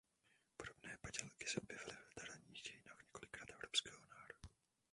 Podobné padělky se objevily v literárních dějinách několika evropských národů.